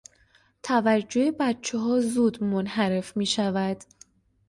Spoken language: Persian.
توجه بچهها زود منحرف میشود.